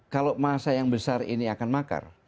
kalau masa yang besar ini akan makar